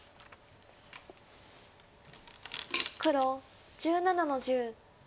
黒１７の十取り。